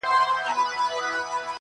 • نه تر څنډی د کوهي سوای ورختلای -